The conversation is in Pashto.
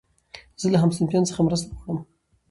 زه له همصنفيانو څخه مرسته غواړم.